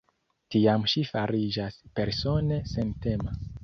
Tiam ŝi fariĝas persone sentema.